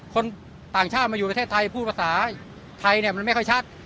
คนต่างชาติมาอยู่ประเทศไทยพูดภาษาไทยเนี่ยมันไม่ค่อยชัด